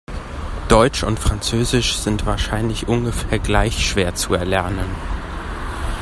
Deutsch und Französisch sind wahrscheinlich ungefähr gleich schwer zu erlernen.